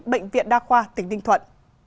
bệnh viện đa khoa tỉnh ninh thuận